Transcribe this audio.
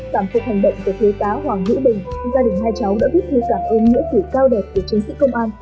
tạm phục hành động của thế giá hoàng hữu bình gia đình hai cháu đã viết thư cảm ơn nghĩa tử cao đẹp của chiến sĩ công an